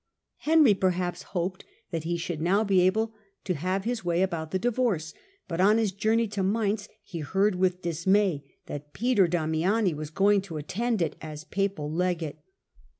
Henry, perhaps, hoped that he should now be able to have his way about the divorce ; but on his journey to Mainz he heard with dismay that Peter Damiani was going to attend it as papal legate.